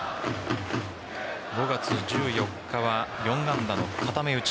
５月１４日は４安打の固め打ち。